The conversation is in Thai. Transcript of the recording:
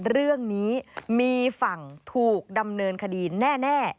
เรื่องนี้มีฝั่งถูกดำเนินคดีแน่